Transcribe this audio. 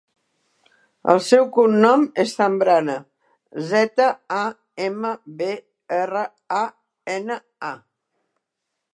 El seu cognom és Zambrana: zeta, a, ema, be, erra, a, ena, a.